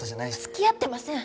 付き合ってません！